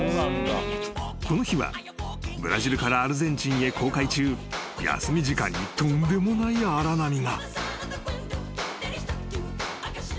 ［この日はブラジルからアルゼンチンへ航海中休み時間にとんでもない荒波が］